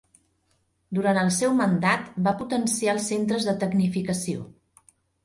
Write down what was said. Durant el seu mandat va potenciar els Centres de Tecnificació.